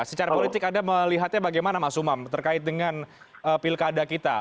secara politik anda melihatnya bagaimana mas umam terkait dengan pilkada kita